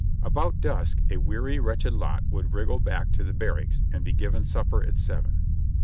About dusk a weary, wretched lot would wriggle back to the barracks and be given supper at seven.